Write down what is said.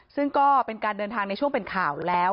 ซึ่งก็เป็นการเดินทางในช่วงเป็นข่าวแล้ว